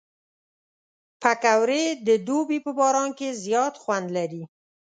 پکورې د دوبي په باران کې زیات خوند لري